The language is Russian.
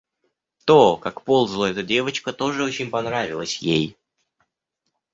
То, как ползала эта девочка, тоже очень понравилось ей.